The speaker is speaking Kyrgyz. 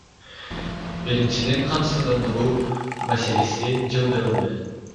Биринчиден, камсыздандыруу маселеси жылдырылды.